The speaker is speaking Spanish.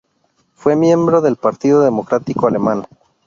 Fue miembro del Partido Democrático Alemán.